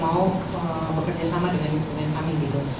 mau bekerja sama dengan kami gitu